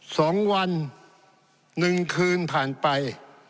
สองวันหนึ่งคืนผ่านไป